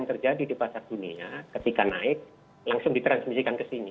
yang terjadi di pasar dunia ketika naik langsung ditransmisikan ke sini